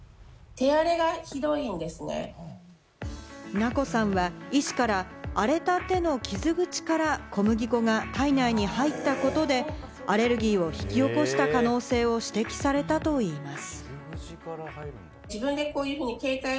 ｎａｃｏさんは医師から荒れた手の傷口から小麦粉が体内に入ったことで、アレルギーを引き起こした可能性を指摘されたといいます。